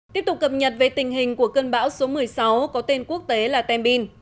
tiếp tục cập nhật về tình hình của cơn bão số một mươi sáu có tên quốc tế là tembin